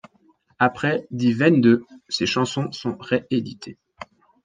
Après die Wende, ses chansons sont rééditées.